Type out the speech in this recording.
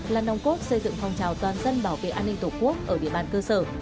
là nồng cốt xây dựng phòng trào toàn dân bảo vệ an ninh tổ quốc ở địa bàn cơ sở